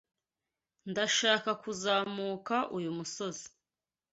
Ndashaka kuzamuka uyu musozi.